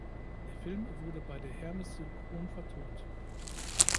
Der Film wurde bei der Hermes Synchron vertont.